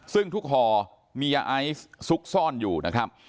ซึ่งทุกห่อมียาไอซ์ซุกซ่อนอยู่นะครับ